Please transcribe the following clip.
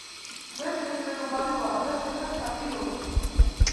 მე შენი მეგობარი ვარ და შენ ხარ კარგიიი რობოტი